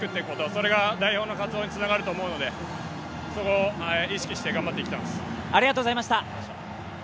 それが代表の活動につながると思うので、そこを意識して頑張っていきます。